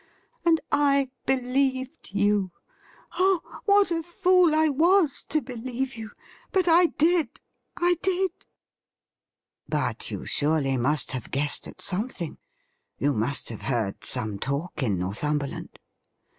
And I believed you ! Oh, what a fool I was to believe you ! But I did— I did !'' But you surely must have guessed at something ? You must have heard some talk in Northumberland